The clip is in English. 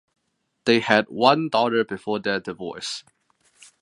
They had one daughter before their divorce.